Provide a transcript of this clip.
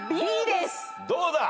どうだ？